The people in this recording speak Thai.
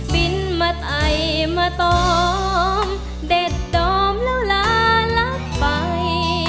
บินมาไตมาตอมเด็ดดอมแล้วลารักไป